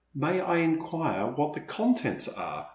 May I inquire what the contents are?"